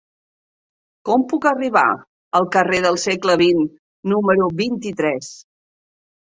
Com puc arribar al carrer del Segle XX número vint-i-tres?